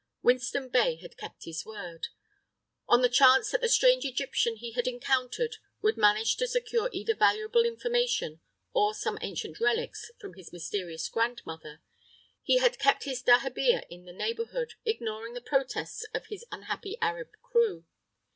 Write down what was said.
Winston Bey had kept his word. On the chance that the strange Egyptian he had encountered would manage to secure either valuable information or some ancient relics from his mysterious grandmother, he had kept his dahabeah in the neighborhood, ignoring the protests of his unhappy Arab crew.